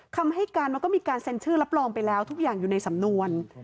คำให้การมันก็มีการเซ็นชื่อรับรองไปแล้วทุกอย่างอยู่ในสำนวน